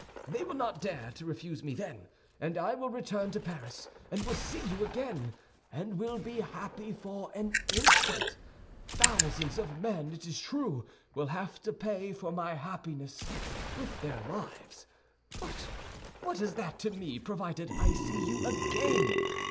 They will not dare to refuse me then; and I will return to Paris, and will see you again, and will be happy for an instant. Thousands of men, it is true, will have to pay for my happiness with their lives; but what is that to me, provided I see you again!